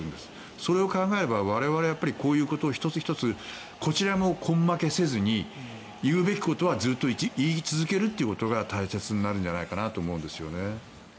それを考えれば我々はこういうことを１つ１つこちらも根負けせずに言うべきことはずっと言い続けることが大切になるんじゃないかなと思うんですよね。